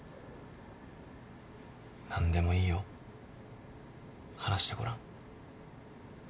何でもいいよ話してごらん。